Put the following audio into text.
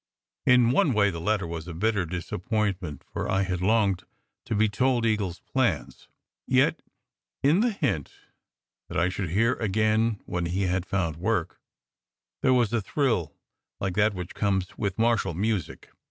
In one way, the letter was a bitter disappointment, for I had longed to be told Eagle s plans; yet in the hint that I should hear again when he had "found work," there was a thrill like that which comes with martial music.